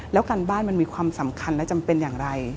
แล้วการบ้านมันมีความสำคัญและจำเป็นอย่างไร